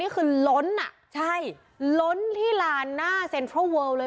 กไม่ล้อนที่ล้านหน้าเซ็นทรัลเวอล์เลย